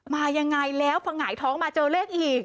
มายังไงแล้วพอหงายท้องมาเจอเลขอีก